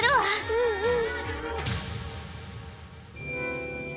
うんうん。